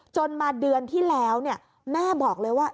จนมาเดือนที่แล้วแม่บอกเลยว่า